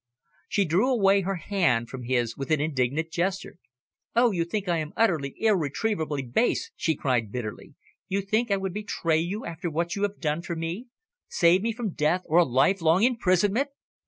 She drew away her hand from his with an indignant gesture. "Oh, you think I am utterly, irretrievably base!" she cried bitterly. "You think I would betray you, after what you have done for me, saved me from death or a life long imprisonment."